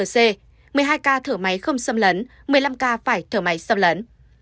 một mươi hai ca thử máy không xâm lấn một mươi năm ca phải thở máy xâm lấn